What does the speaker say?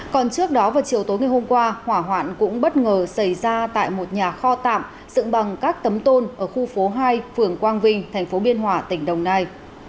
còn trước đó vào chiều tối ngày hôm qua hỏa hoạn cũng bất ngờ xảy ra tại một nhà kho tạm dựng bằng các tấm tôn ở khu phố hai phường quang vinh thành phố biên hòa tỉnh đồng nai